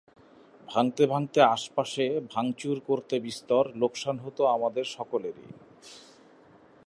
ভাঙতে ভাঙতে আশেপাশে ভাঙচুর করত বিস্তর, লোকসান হত আমাদের সকলেরই।